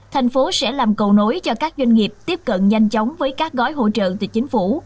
thành phố sẽ làm cầu nối cho các doanh nghiệp tiếp cận nhanh chóng với các gói hỗ trợ từ chính phủ